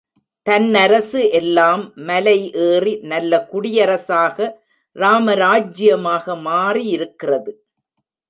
தன்னரசு எல்லாம் மலை ஏறி நல்ல குடியரசாக ராமராஜ்யமாக மாறியிருக்கிறது.